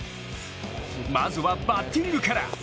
まずはバッティングから。